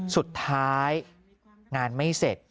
สุดท้ายงานไม่เสร็จ